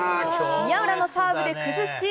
宮浦のサーブで崩し。